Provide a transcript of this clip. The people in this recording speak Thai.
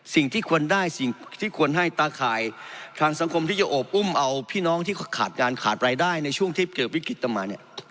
สิ่งที่ควรได้สิ่งที่ควรให้ตาข่ายทางสังคมที่จะโอบอุ้มเอาพี่น้องที่ขาดการขาดรายได้ในช่วงที่เกิดวิกฤตตามมาเนี่ย